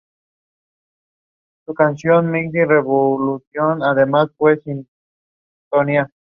El espesor de la capa de pintura se puede controlar por varias vías.